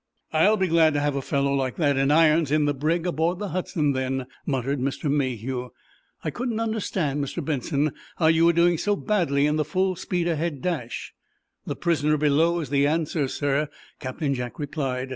"I'll be glad to have a fellow like that in irons in the brig aboard the 'Hudson,' then," muttered Mr. Mayhew. "I couldn't understand, Mr. Benson, how you were doing so badly in the full speed ahead dash." "The prisoner below is the answer, sir," Captain Jack replied.